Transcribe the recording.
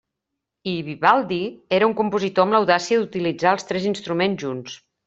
I, Vivaldi, era un compositor amb l'audàcia d'utilitzar els tres instruments junts.